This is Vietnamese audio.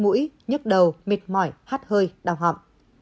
mũi nhức đầu mệt mỏi hát hơi đau họng